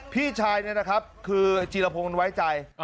พี่ชายเนี่ยนะครับคือจีรพงศ์ไว้ใจ